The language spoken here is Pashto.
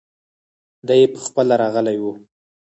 دی پخپله راغلی وو.